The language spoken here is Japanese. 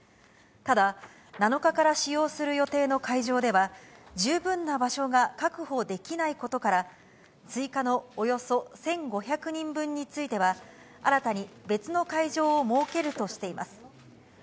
ただ、７日から使用する予定の会場では、十分な場所が確保できないことから、追加のおよそ１５００人分については、新たに別の会場を設けるとしています。